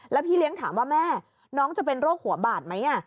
แล้วพี่เลี้ยงถามว่าแม่น้องจะเป็นโรคหัวบาดไหม